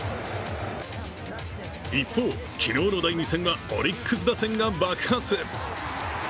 一方、昨日の第２戦はオリックス打線が爆発。